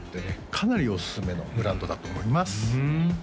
かなりおすすめのブランドだと思います